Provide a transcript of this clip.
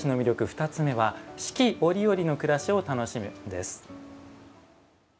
２つ目は「四季折々の暮らしを楽しむ」です。